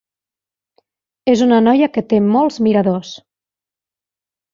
És una noia que té molts miradors.